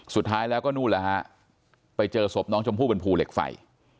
สุดท้ายแล้วก็นู่นแล้วฮะไปเจอศพน้องชมพู่บนภูเหล็กไฟ